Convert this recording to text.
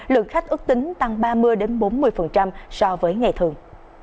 lượng khách ước tính tăng ba mươi bốn mươi so với ngày thường